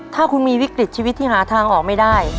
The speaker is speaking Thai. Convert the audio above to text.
ถ้าคุณมีวิกฤตชีวิตที่หาทางออกไม่ได้